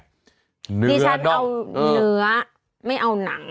ดิฉันเอาเนื้อไม่เอาหนัง